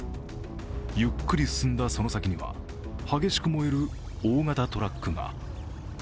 ゆっくり進んだその先には激しく燃える大型トラックが。